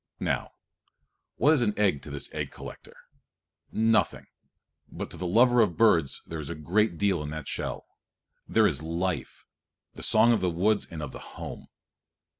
Now, what is an egg to this egg collector? Nothing. But to the lover of birds there is a great deal in that shell. There is a life; the song of the woods and of the home.